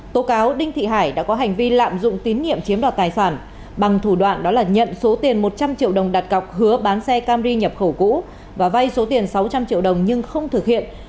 tố cáo đinh thị hải đã có hành vi lạm dụng tín nhiệm chiếm đoạt tài sản bằng thủ đoạn đó là nhận số tiền một trăm linh triệu đồng đặt cọc hứa bán xe cam ri nhập khẩu cũ và vay số tiền sáu trăm linh triệu đồng nhưng không thực hiện